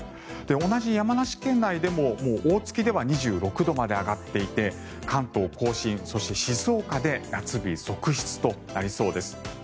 同じ山梨県内でも大槻では２６度まで上がっていて関東・甲信そして静岡で夏日続出となりそうです。